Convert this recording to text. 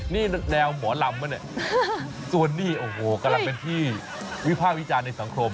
นี่แนวหมอลำป่ะเนี่ยส่วนนี้โอ้โหกำลังเป็นที่วิภาควิจารณ์ในสังคม